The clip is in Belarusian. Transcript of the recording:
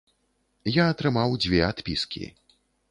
Я атрымаў дзве адпіскі.